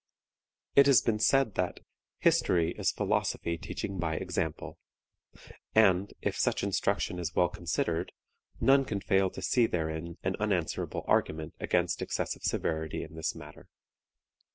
It has been said that "History is philosophy teaching by example," and, if such instruction is well considered, none can fail to see therein an unanswerable argument against excessive severity in this matter.